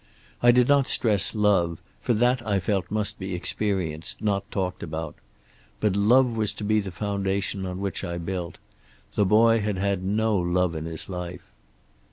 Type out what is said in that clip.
I did not stress love, for that I felt must be experienced, not talked about. But love was to be the foundation on which I built. The boy had had no love in his life.